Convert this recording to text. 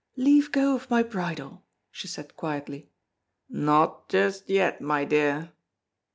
"Leave go of my bridle," she said quietly. "Not just yet, my dear."